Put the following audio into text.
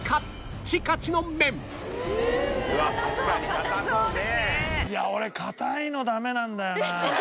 うわっ確かに硬そうね！